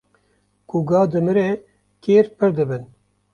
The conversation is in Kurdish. Ku ga dimre kêr pir dibin.